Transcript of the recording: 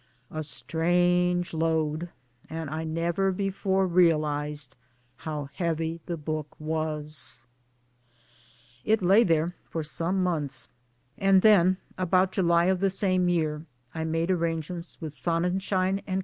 A strange load and I never before realized how heavy the book was 1 It lay there for some months, and then about July of the same year I made arrangements with Sonnenschein & Co.